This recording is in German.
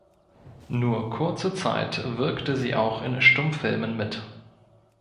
Nur kurze Zeit wirkte sie auch in Stummfilmen mit.